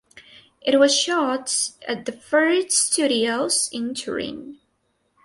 It was shot at the Fert Studios in Turin.